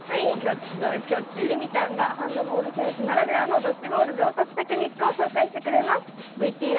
レミたんがハンドボール選手ならではのドッジボール上達テクニックを紹介してくれます。